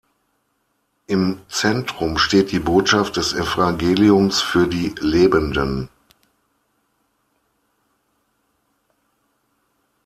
Im Zentrum steht die Botschaft des Evangeliums für die Lebenden.